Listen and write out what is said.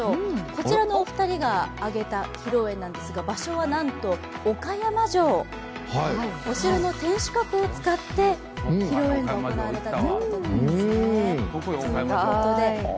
こちらのお二人が挙げた披露宴なんですが場所はなんと岡山城お城の天守閣を使って披露宴が行われたということなんですね。